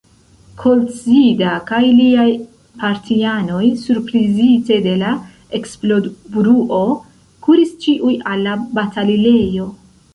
Koltzida kaj liaj partianoj, surprizite de la eksplodbruo, kuris ĉiuj al la batalilejo.